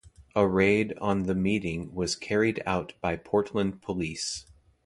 A raid on the meeting was carried out by Portland police.